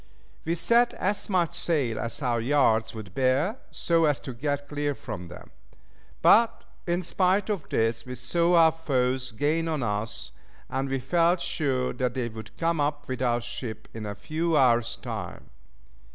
We set as much sail as our yards would bear, so as to get clear from them. But in spite of this, we saw our foes gain on us, and we felt sure that they would come up with our ship in a few hours' time.